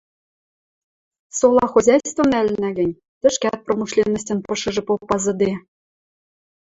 Сола хозяйствым нӓлӹнӓ гӹнь, тӹшкӓт промышленностьын пышыжы попазыде